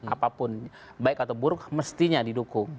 apapun baik atau buruk mestinya didukung